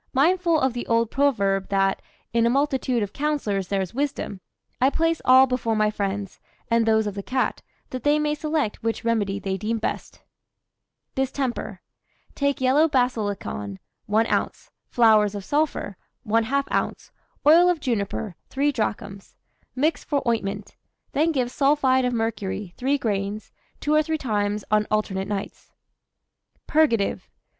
Mindful of the old proverb that "In a multitude of counsellors there is wisdom," I place all before my friends, and those of the cat, that they may select which remedy they deem best: DISTEMPER. Take yellow basilicon, 1 oz.; flowers of sulphur, ½ oz.; oil of juniper, 3 drachms. Mix for ointment. Then give sulphide of mercury, 3 grains, two or three times on alternate nights. PURGATIVE.